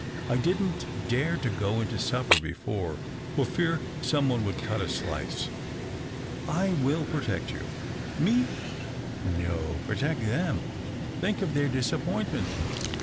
I didn't dare to go into supper before, for fear some one would cut a slice." " I will protect you." " Me ? No ; protect them. Think of their 192 THE OCTAVE OF CLAUDIUS. disappointment.